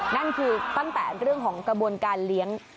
นั่นคือตั้งแต่เรื่องของกระบวนการเลี้ยง